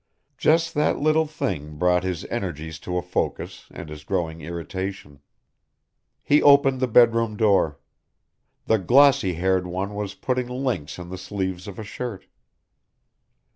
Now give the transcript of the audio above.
Just that little thing brought his energies to a focus and his growing irritation. He, opened the bed room door. The glossy haired one was putting links in the sleeves of a shirt.